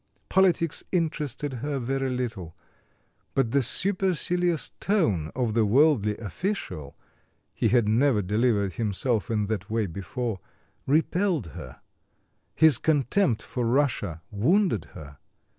Politics interested her very little; but the supercilious tone of the worldly official (he had never delivered himself in that way before) repelled her; his contempt for Russia wounded her.